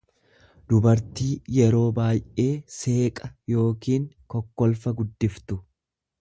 dubartii yeroo baay'ee seeqa yookiin kokkolfa guddifttu.